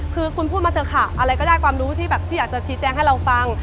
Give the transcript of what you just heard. คือคุณพูดมาเถอะค่ะอะไรก็ได้ความรู้ที่แบบที่อยากจะชี้แจงให้เราฟัง